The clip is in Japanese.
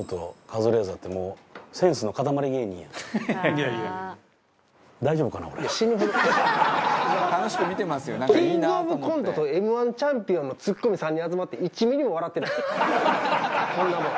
キングオブコントとＭ−１チャンピオンのツッコミ３人集まって１ミリも笑ってないこんなもん。